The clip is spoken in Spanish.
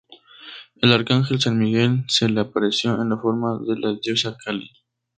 El arcángel, San Miguel, se le apareció en la forma de la diosa Kali.